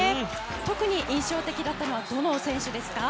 特に印象的だったのはどの選手ですか？